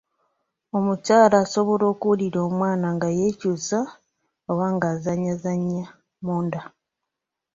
Omukyala asobola okuwulira omwana nga yeekyusa oba ng'azannyazannya munda